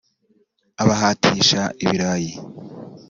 abahatisha ibirayi